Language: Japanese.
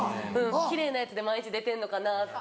奇麗なやつで毎日出てんのかなって。